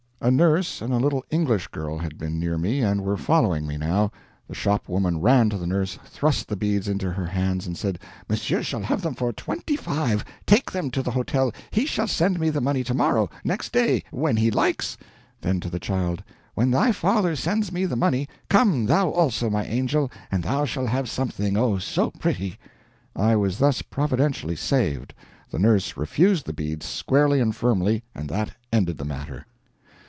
A nurse and a little English girl had been near me, and were following me, now. The shopwoman ran to the nurse, thrust the beads into her hands, and said: "Monsieur shall have them for twenty five! Take them to the hotel he shall send me the money tomorrow next day when he likes." Then to the child: "When thy father sends me the money, come thou also, my angel, and thou shall have something oh so pretty!" I was thus providentially saved. The nurse refused the beads squarely and firmly, and that ended the matter.